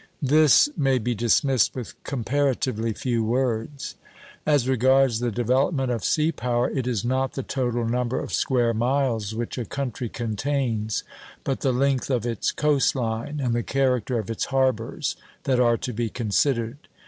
This may be dismissed with comparatively few words. As regards the development of sea power, it is not the total number of square miles which a country contains, but the length of its coast line and the character of its harbors that are to be considered.